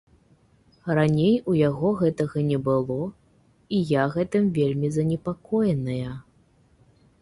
Раней у яго гэтага не было і я гэтым вельмі занепакоеная.